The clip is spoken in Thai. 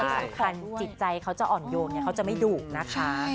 สินค้ารูปจิตใจเขาอ่อนโยงเขาจะไม่ดูก